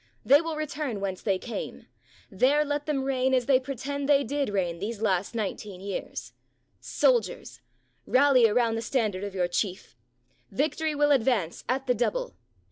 They will return whence they came; there 364 WHEN NAPOLEON RETURNED FROM ELBA let them reign as they pretend they did reign these last nineteen years. Soldiers, rally around the standard of your chief ! Vic tory will advance at the double!